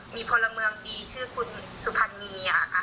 มีพลเมืองดีชื่อคุณสุพรรณี